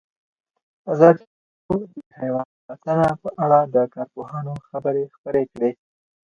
ازادي راډیو د حیوان ساتنه په اړه د کارپوهانو خبرې خپرې کړي.